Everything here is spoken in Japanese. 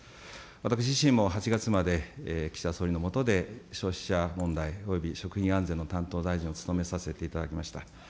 私自身も８月まで岸田総理の下で消費者問題及び食品安全の担当大臣を務めさせていただきました。